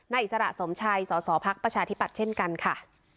อิสระสมชัยสสพักประชาธิปัตย์เช่นกันค่ะ